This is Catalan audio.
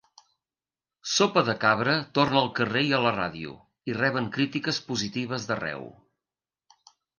Sopa de Cabra torna al carrer i a la ràdio, i reben crítiques positives d'arreu.